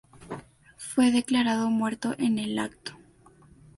Fue declarado muerto en el acto.